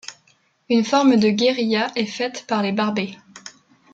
Une forme de guérilla est faite par les barbets.